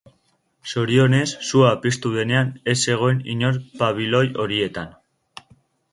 Zorionez, sua piztu denean ez zegoen inor pabiloi horietan.